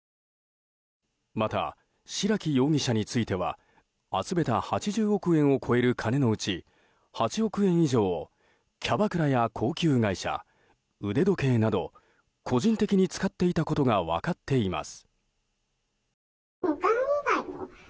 また、白木容疑者については集めた８０億円を超える金のうち８億円以上をキャバクラや高級外車腕時計など個人的に使っていたことが分かっています。